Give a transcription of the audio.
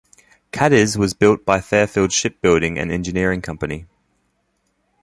"Cadiz" was built by Fairfield Shipbuilding and Engineering Company.